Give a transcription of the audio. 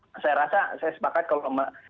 jadi saya rasa saya sepakat